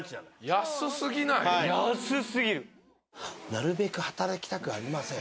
「なるべく働きたくありません。